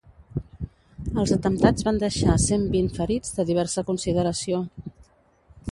Els atemptats van deixar cent vint ferits de diversa consideració.